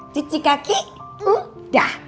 cuci kaki udah